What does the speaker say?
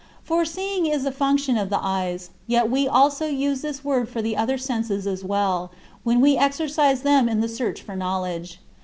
" For seeing is a function of the eyes; yet we also use this word for the other senses as well, when we exercise them in the search for knowledge.